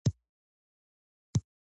روژه د بدن د زهرجنو موادو تصفیه کوي.